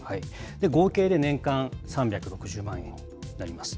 合計で年間３６０万円になります。